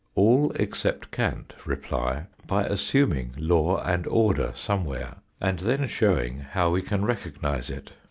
All except Kant reply by assuming law and order somewhere, and then showing how we can recognise it.